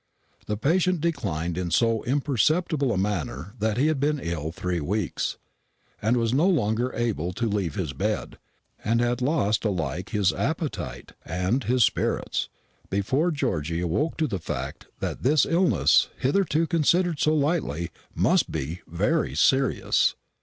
The patient declined in so imperceptible a manner that he had been ill three weeks, and was no longer able to leave his bed, and had lost alike his appetite and his spirits, before Georgy awoke to the fact that this illness, hitherto considered so lightly, must be very serious.